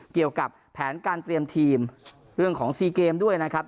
เกี่ยวกับแผนการเตรียมทีมเรื่องของซีเกมด้วยนะครับ